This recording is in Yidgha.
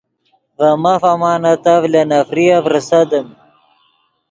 ڤے ماف امانتف لے نفریف ریسیدیم